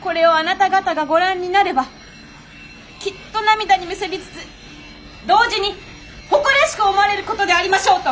これをあなた方がご覧になればきっと涙にむせびつつ同時に誇らしく思われる事でありましょう」と！